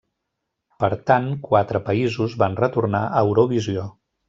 Per tant, quatre països van retornar a Eurovisió.